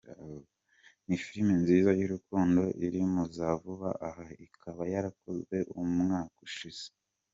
Ni filime nziza y’urukundo iri mu za vuba aha, ikaba yarakozwe umwaka ushize.